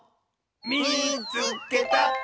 「みいつけた！」。